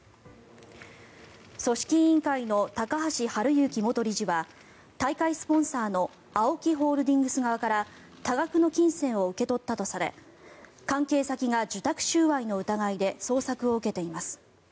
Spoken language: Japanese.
組織委員会の高橋治之元理事は大会スポンサーのＡＯＫＩホールディングス側から多額の金銭を受け取ったとされ関係先が受託収賄の疑いで捜索を受けています。